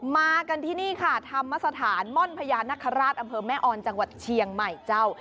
มากันที่นี่ค่ะธรรมสถานม่อนพญานาคาราชอำเภอแม่ออนจังหวัดเชียงใหม่เจ้า